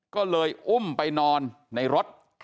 ก็เลยอุ้มไปนอนในรถ